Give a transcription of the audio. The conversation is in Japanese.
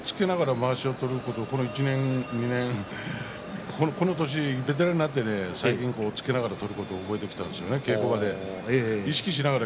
この押っつけながらまわしを取ることもこの１年２年ベテランになって最近よく押っつけながら取ることを覚えてきたんですよね稽古場で。